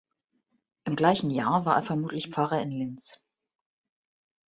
Im gleichen Jahr war er vermutlich Pfarrer in Linz.